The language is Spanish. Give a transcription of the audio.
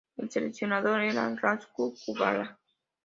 El seleccionador era László Kubala.